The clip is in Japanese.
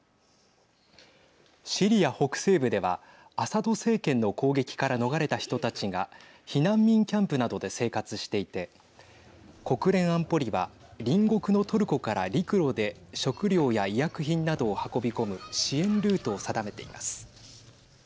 シリア北西部ではアサド政権の攻撃から逃れた人たちが避難民キャンプなどで生活していて国連安保理は隣国のトルコから陸路で食料や医薬品などを運び込む支援ルートを定めています。